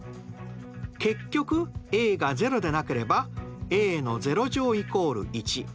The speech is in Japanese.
結局ａが０でなければａ＝１。